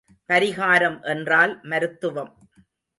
பரிகாரம் என்றால் மருத்துவம்.